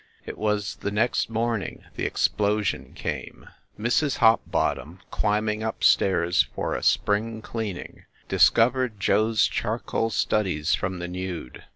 It was the next morning the explosion came. Mrs. Hopbottom, climbing up stairs for a spring clean ing, discovered Joe s charcoal studies from the nude.